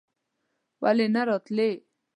ولې نه راتلې?